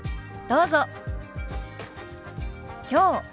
どうぞ。